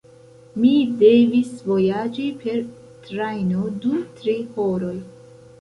Mi devis vojaĝi per trajno dum tri horoj.